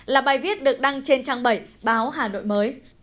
là bài viết được đăng trên trang bảy báo hà nội mới